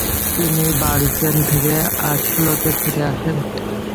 তিনি বার্জেন থেকে অসলোতে ফিরে আসেন।